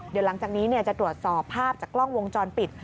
เดี๋ยวหลังจากนี้จะตรวจสอบภาพจากกล้องวงจรปิด